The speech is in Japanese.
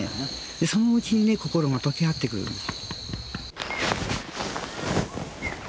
そのうちに心が解け合ってくるんです。